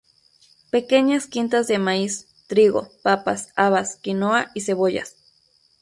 Pequeñas "quintas" de maíz, trigo, papas, habas, quinoa y cebollas.